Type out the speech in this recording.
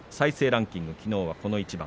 ランキングきのうはこの一番